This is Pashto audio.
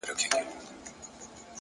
لوړ لید د راتلونکي جوړښت دی